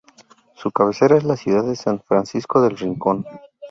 Su cabecera es la ciudad de San Francisco del Rincón.